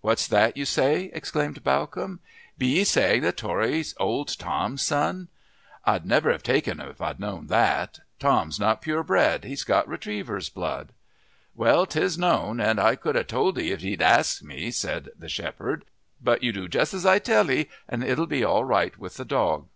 "What's that you say?" exclaimed Bawcombe. "Be you saying that Tory's old Tom's son? I'd never have taken him if I'd known that. Tom's not pure bred he's got retriever's blood." "Well, 'tis known, and I could have told 'ee, if thee'd asked me," said the shepherd. "But you do just as I tell 'ee, and it'll be all right with the dog."